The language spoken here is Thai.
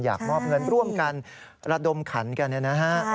อยากมอบเงินร่วมกันระดมขันกันนะครับ